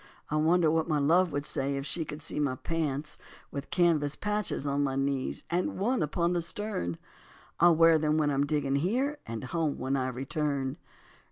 I wonder what my love would say If she could see my pants With canvas patches on my knees And one upon the stern? I'll wear them when I'm digging here And home when I return.